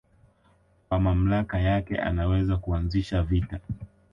kwa mamlaka yake anaweza kuanzisha vita